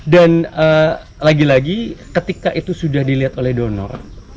dan lagi lagi ketika itu sudah dilihat oleh donor